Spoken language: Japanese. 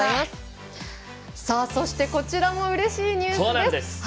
そしてこちらもうれしいニュースです。